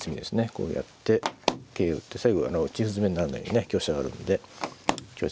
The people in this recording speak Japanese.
こうやって桂打って最後打ち歩詰めにならないようにね香車があるんで香車で詰みですね。